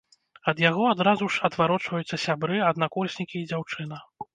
Ад яго адразу ж адварочваюцца сябры, аднакурснікі і дзяўчына.